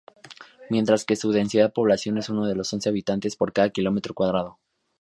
Mientras que su densidad poblacional es de unos once habitantes por cada kilómetro cuadrado.